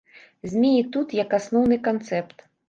Змеі тут як асноўны канцэпт.